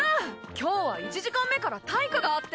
今日は１時間目から体育があって。